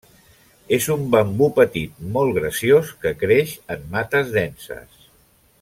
És un bambú petit molt graciós que creix en mates denses.